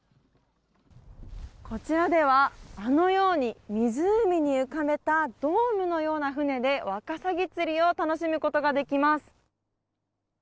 こちらでは、あのように湖に浮かべたドームのような船でワカサギ釣りを楽しむことができます。